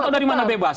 atau dari mana bebas